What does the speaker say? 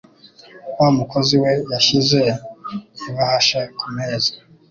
Wa mukozi we yashyize ibahasha kumeza.